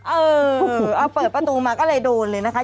เออเอาเปิดประตูมาก็เลยโดนเลยนะคะ